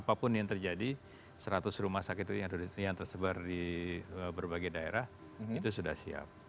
apapun yang terjadi seratus rumah sakit yang tersebar di berbagai daerah itu sudah siap